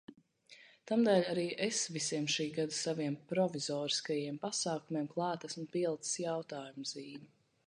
Tamdēļ arī es visiem šī gada saviem provizoriskajiem pasākumiem klāt esmu pielicis jautājuma zīmi.